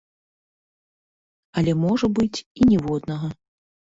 Але можа быць і ніводнага.